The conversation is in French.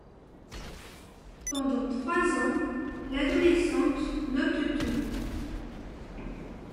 Pendant trois ans, l’adolescente note tout.